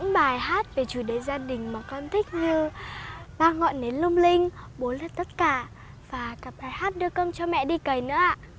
bài hát về chủ đề gia đình mà con thích như ba ngọn nến lung linh bố lớt tất cả và các bài hát đưa cơm cho mẹ đi cầy nữa ạ